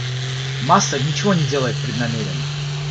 Масса ничего не делает преднамеренно.